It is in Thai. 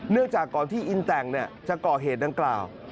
เนื่องจากก่อนที่อินแต่งเนี่ยจะเกาะเหตุดังกล่าว